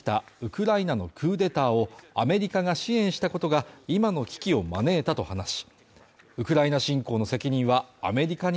２０１４年に起きたウクライナのクーデターをアメリカが支援したことが、今の危機を招いたと話し